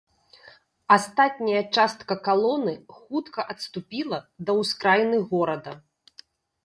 Астатняя частка калоны хутка адступіла да ўскраіны горада.